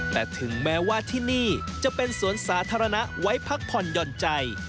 แต่ถึงแม้ว่าที่นี่จะเป็นสวนสาธารณะไว้พักผ่อนหย่อนใจ